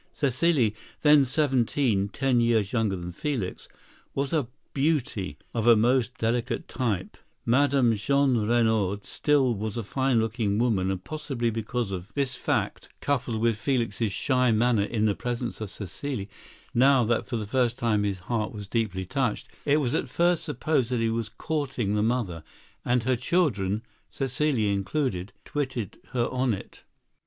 Cécile, then seventeen (ten years younger than Felix), was a "beauty" of a most delicate type. Mme. Jeanrenaud still was a fine looking woman, and possibly because of this fact, coupled with Felix's shy manner in the presence of Cécile, now that for the first time his heart was deeply touched, it was at first supposed that he was courting the mother; and her children, Cécile included, twitted her on it.